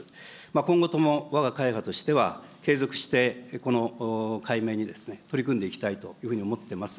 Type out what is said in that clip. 今後とも、わが会派としては継続してこの解明に取り組んでいきたいというふうに思っております。